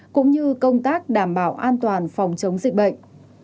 cũng như công tác đảm bảo an toàn phòng chống dịch bệnh